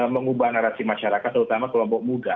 mengubah narasi masyarakat terutama kelompok muda